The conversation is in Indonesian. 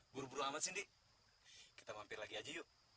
buru buru amat sindi kita mampir lagi aja yuk